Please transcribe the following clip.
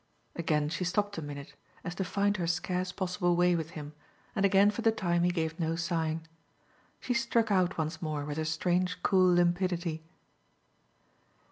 Again she stopped a minute, as to find her scarce possible way with him, and again for the time he gave no sign. She struck out once more with her strange cool limpidity.